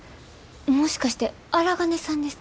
もしかして荒金さんですか？